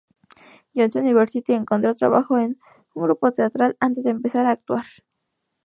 John's University, encontró trabajo en un grupo teatral antes de empezar a actuar.